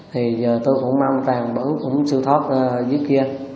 thì giờ tôi cũng mong toàn bữa cũng sưu thoát dưới kia